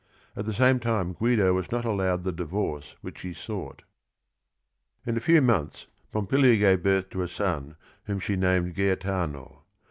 At the same time Guido was not allowed the divorce which he sought. In a few months Pompilia gave birth to a son whom she named Gaetano.